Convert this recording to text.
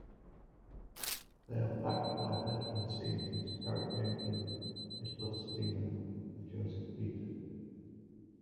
They are backed by veteran seniors, Garrett Jenkins, Nicholas Semaan, and Joseph Peters.